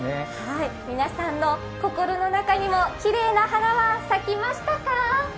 皆さんの心の中にもきれいな花は咲きましたか？